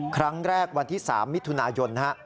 ครั้งแรกวันที่๓มิถุนายนฮะ